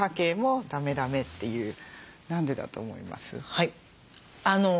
はい。